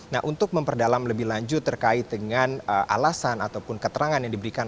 nah untuk memperdalam lebih lanjut terkait dengan alasan ataupun keterangan yang diberikan